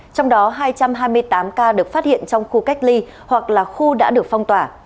trong đó hai trăm hai mươi tám ca được phát hiện trong khu cách ly hoặc là khu đã được phong tỏa